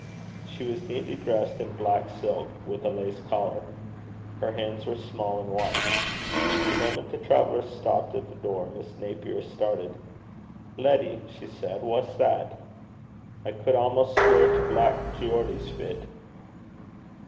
She was neatly dressed in black silk, with a lace collar. Her hands were small and white. The moment the traveller stopped at the door, Miss Napier started. 'Letty,' she said, 'wha's that? I could amaist sweir to Black Geordie's fit.'